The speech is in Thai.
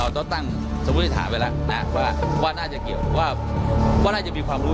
ตั้งนี้ถามไปแล้วนะครับว่าว่าน่าจะเกี่ยวว่าก็ต้องจะมีความรู้